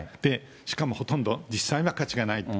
しかもほとんど実際は価値がない。